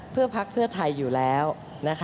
เพื่อพักเพื่อไทยอยู่แล้ว